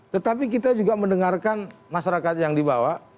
tetapi kita juga mendengarkan masyarakat yang dibawa